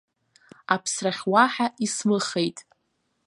Аԥсрахь уаҳа исмыхеит.